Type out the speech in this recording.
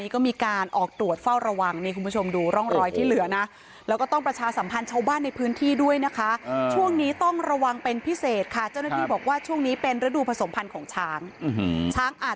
ก็มีงาตัวหนึ่งแล้วก็ไม่มีงาตัวหนึ่งครับสู้กัน